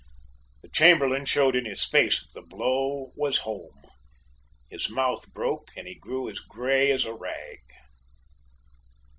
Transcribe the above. The Chamberlain showed in his face that the blow was home. His mouth broke and he grew as grey as a rag.